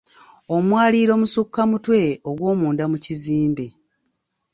Omwaliiro musukka mutwe ogw'omunda mu kizimbe.